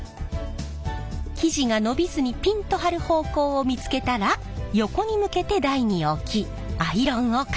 生地が伸びずにピンと張る方向を見つけたら横に向けて台に置きアイロンをかける。